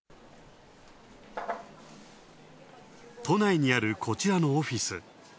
都内にあるこちらのオフィス。